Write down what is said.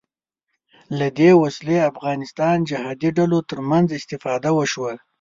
له دې وسلې افغانستان جهادي ډلو تر منځ استفاده وشوه